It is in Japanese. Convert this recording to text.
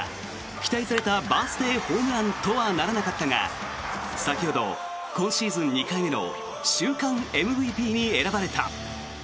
期待されたバースデーホームランとはならなかったが先ほど今シーズン２回目の週間ＭＶＰに選ばれた。